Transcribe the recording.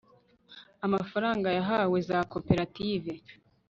amafaranga yahawe za koperative